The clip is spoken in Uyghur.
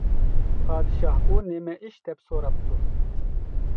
پادىشاھ: ‹ئۇ نېمە ئىش؟ ›، دەپ سوراپتۇ.